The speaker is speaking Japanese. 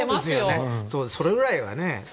それぐらいはね。